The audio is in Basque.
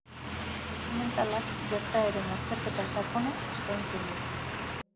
Dokumentalak gertaeren azterketa sakona eskaintzen du.